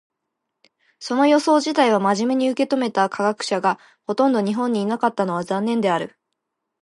その予想自体を真面目に受け止めた科学者がほとんど日本にいなかったのは残念である。